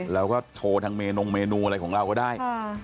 เราก็โชว์ทางเมนงเมนูอะไรของเราก็ได้